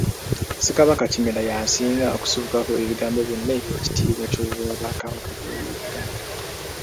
Ssekabaka Kimera ye asinga okusibukako ebigambo byonna eby'ekitiibwa ky'Obwakabaka bw'e Buganda.